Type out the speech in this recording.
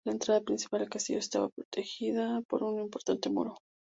La entrada principal al castillo estaba protegida por un importante muro.